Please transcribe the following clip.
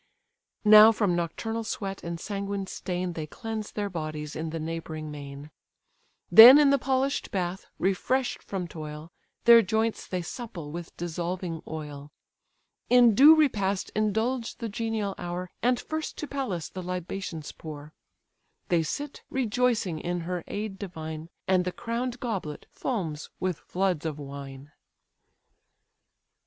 Now from nocturnal sweat and sanguine stain They cleanse their bodies in the neighb'ring main: Then in the polished bath, refresh'd from toil, Their joints they supple with dissolving oil, In due repast indulge the genial hour, And first to Pallas the libations pour: They sit, rejoicing in her aid divine, And the crown'd goblet foams with floods of wine.